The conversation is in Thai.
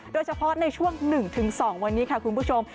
โดยเฉพาะในช่วง๑๒วันนี้ค่ะคุณผู้ชม